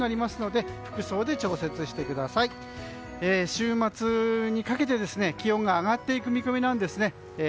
週末にかけて気温が上がっていく見込みなんですね。